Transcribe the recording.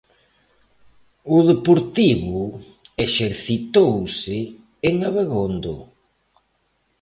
O Deportivo exercitouse en Abegondo.